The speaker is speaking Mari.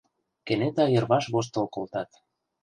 Кенета йырваш воштыл колтат.